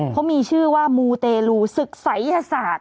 เขามีชื่อว่ามูเตลูศึกศัยยศาสตร์